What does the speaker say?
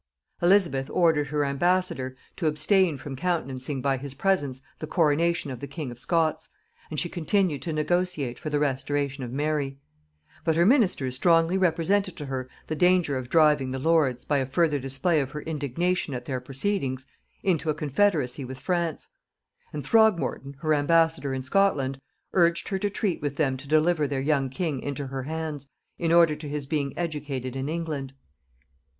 Elizabeth ordered her ambassador to abstain from countenancing by his presence the coronation of the king of Scots, and she continued to negotiate for the restoration of Mary: but her ministers strongly represented to her the danger of driving the lords, by a further display of her indignation at their proceedings, into a confederacy with France; and Throgmorton, her ambassador in Scotland, urged her to treat with them to deliver their young king into her hands, in order to his being educated in England.